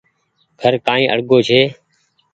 گھر ڪآئي اڙگو ڇي ۔